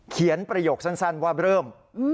เขียนประโยคสั้นว่าเริ่ม